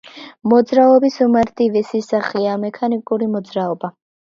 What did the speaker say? მოძრაობის უმარტივესი სახეა მექანიკური მოძრაობა